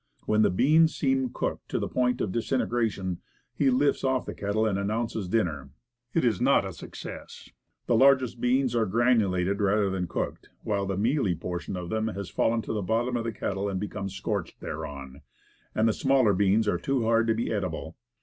When the beans seem cooked to the point of disintegration, he lifts off the kettle, and announces dinner. It is not a success. The larger beans are granulated rather than cooked, while the mealy portion of them has fallen to the bottom of the kettle, and become scorched thereon, and the smaller beans are too hard to be eatable.